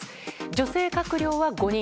女性閣僚は５人。